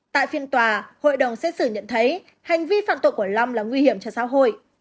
tại phiên tòa hội đồng xét xử nhận thấy hành vi phạm tội của long là nguy hiểm cho xã hội